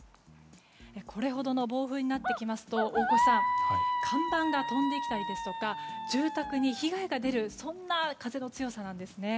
これほどの暴風になってきますと大越さん看板が飛んできたりですとか住宅に被害が出る風の強さなんですね。